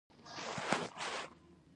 ډيپلومات د نړېوالو سازمانونو غړی وي.